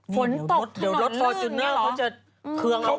ฝนตกถนนลื่นเนี่ยเหรอเดี๋ยวรถฟอร์ชูเนอร์เขาจะเครื่องแล้วนะ